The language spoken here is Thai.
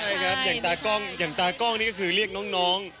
ใช่ครับอย่างตากล้องอย่างตากล้องนี่ก็คือเรียกน้อง